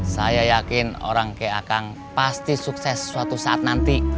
saya yakin orang ke akang pasti sukses suatu saat nanti